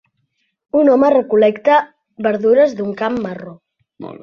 Un home recol·lecta verdures d'un camp marró.